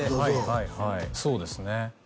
はいはいそうですね